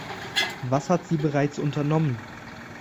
Was hat sie bereits unternommen?